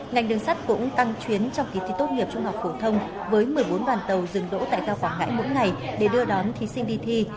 ngành đường sắt cũng tăng chuyến trong kỳ thi tốt nghiệp trung học phổ thông với một mươi bốn đoàn tàu dừng đỗ tại cao quảng ngãi mỗi ngày để đưa đón thí sinh đi thi